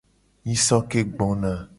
Nyiso ke gbona.